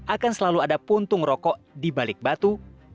akan selalu ada puntung rokok di balik batu